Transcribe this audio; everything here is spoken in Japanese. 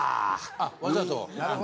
あわざと。